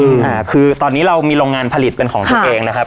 อ่าคือตอนนี้เรามีโรงงานผลิตเป็นของตัวเองนะครับ